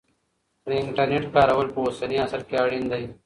د انټرنیټ کارول په اوسني عصر کې اړین دی.